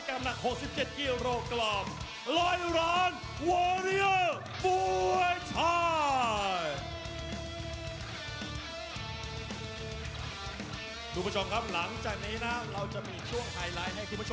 ขอบคุณภาพเต็มแม็กซ์